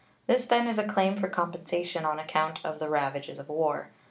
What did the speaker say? This, then, is a claim for compensation on account of the ravages of war.